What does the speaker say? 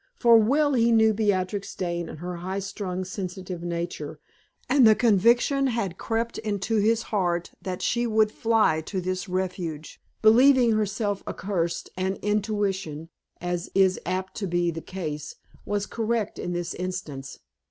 For well he knew Beatrix Dane and her high strung, sensitive nature; and the conviction had crept into his heart that she would fly to this refuge, believing herself accursed, and intuition, as is apt to be the case, was correct in this instance.